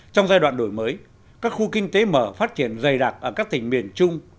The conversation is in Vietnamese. trong giai đoạn đổi mới các khu kinh tế mở phát triển dày đặc ở các tỉnh miền trung